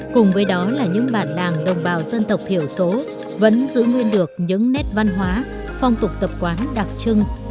cùng với đó là những bản làng đồng bào dân tộc thiểu số vẫn giữ nguyên được những nét văn hóa phong tục tập quán đặc trưng